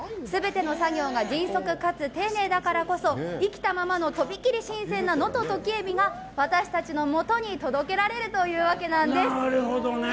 全ての作業が迅速、かつ丁寧だからこそ、生きたままのとびきり新鮮な能登とき海老が私たちのもとに届けられるというわけなんです。